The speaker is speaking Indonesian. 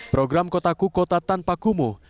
program kota kukota tanpa kumuh